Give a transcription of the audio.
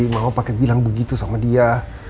mama pake bilang begitu sama dia